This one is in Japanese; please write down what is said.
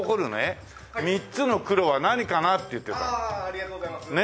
ありがとうございます。